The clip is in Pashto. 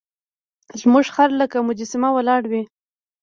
زموږ خر لکه مجسمه ولاړ وي.